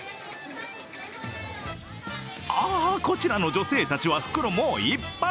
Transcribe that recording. ああ、こちらの女性たちは袋もういっぱい！